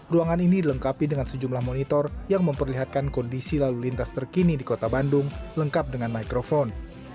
ruangan ini dilengkapi dengan sejumlah monitor yang memperlihatkan kondisi lalu lintas terkini di kota bandung lengkap dengan mikrofon